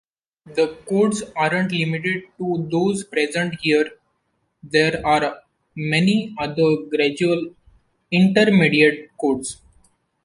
The codes aren’t limited to those present here, there are many other gradual intermediate codes.